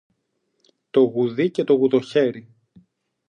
Το γουδί και το γουδοχέρι!